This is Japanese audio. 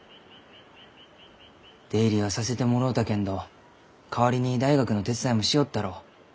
出入りはさせてもろうたけんど代わりに大学の手伝いもしよったろう。